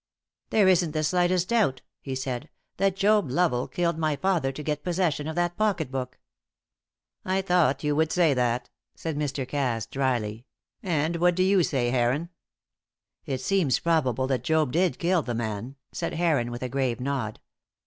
"There isn't the slightest doubt," he said, "that Job Lovell killed my father to get possession of that pocket book. "I thought you would say that," said Mr. Cass, drily; "and what do you say, Heron?" "It seems probable that Job did kill the man," said Heron, with a grave nod.